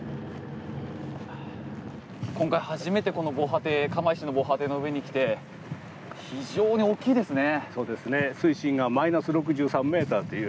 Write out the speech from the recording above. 今回、初めてこの釜石の防波堤の上に来て非常に大きいですね。